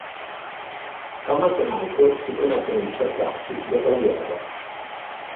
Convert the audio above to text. Thomas e Michael si promettono di cercarsi dopo la guerra.